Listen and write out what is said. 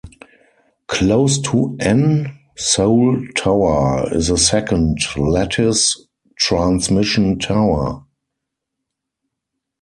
Close to N Seoul Tower is a second lattice transmission tower.